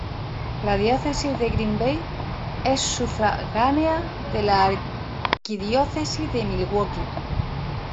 La Diócesis de Green Bay es sufragánea de la Arquidiócesis de Milwaukee.